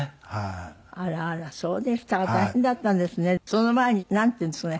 その前になんていうんですかね？